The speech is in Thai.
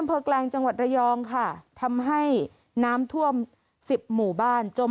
อำเภอแกลงจังหวัดระยองค่ะทำให้น้ำท่วมสิบหมู่บ้านจม